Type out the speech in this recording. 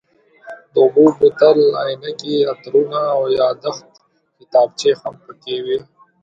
د اوبو بوتل، عینکې، عطرونه او یادښت کتابچې هم پکې وې.